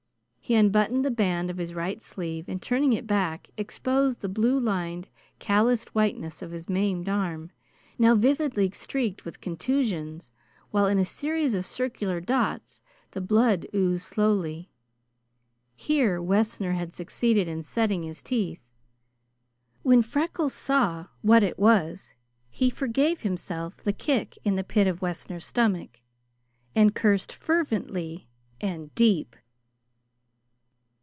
He unbuttoned the band of his right sleeve, and turning it back, exposed the blue lined, calloused whiteness of his maimed arm, now vividly streaked with contusions, while in a series of circular dots the blood oozed slowly. Here Wessner had succeeded in setting his teeth. When Freckles saw what it was he forgave himself the kick in the pit of Wessner's stomach, and cursed fervently and deep.